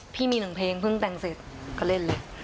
พี่มีหนึ่งเพลงเพิ่งแต่งเสร็จก็เล่นเลย